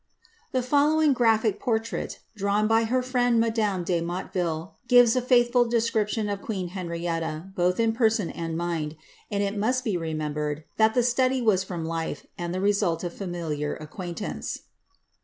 The following graphic portrait, drawn by her friend madame de Motte Tflle, gives a faithful description of queen Henrietta, both in person and mind ; and it must be remembered that the study was from life, and the result of familiar acquaintance.'